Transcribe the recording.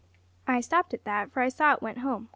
I stopped at that, for I saw it went home.